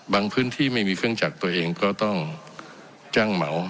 พื้นที่ไม่มีเครื่องจักรตัวเองก็ต้องจ้างเหมา